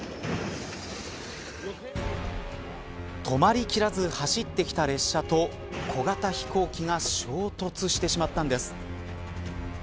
止まりきらず走ってきた列車と小型飛行機が衝突してしまったんです。